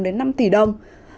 đến năm tỷ đồng